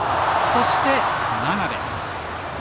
そして真鍋。